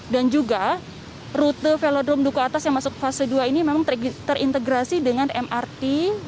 dan juga rute velodrome dukuh atas yang masuk fase dua ini memang terintegrasi dengan mrt